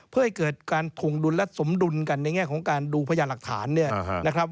เพื่อให้เกิดการถวงดุลและสมดุลกันในแง่ของการดูพยานหลักฐานเนี่ยนะครับ